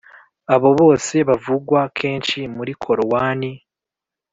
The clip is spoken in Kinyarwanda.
abo bose bavugwa kenshi muri korowani